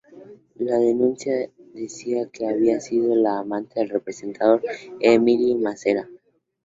La denuncia decía que había sido la amante del represor Emilio Massera.